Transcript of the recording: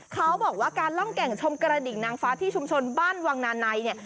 เขาบอกว่าการล่องแก่งชมกระดิ่งนางฟ้าที่ชุมชนบ้านวังนาในเนี่ย